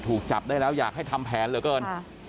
ถูกจับได้แล้วอยากให้ทำแผนเหลือเกิน